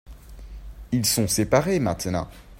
ils sont séparés maintenant.